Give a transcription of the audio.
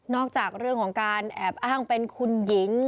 จากเรื่องของการแอบอ้างเป็นคุณหญิง